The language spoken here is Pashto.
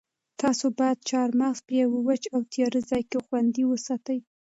تاسو باید چهارمغز په یوه وچ او تیاره ځای کې خوندي وساتئ.